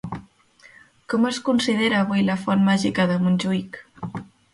Com es considera avui la Font màgica de Montjuïc?